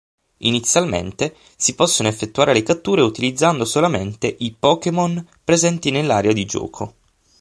Inizialmente si possono effettuare le catture utilizzando solamente i Pokémon presenti nell'area di gioco.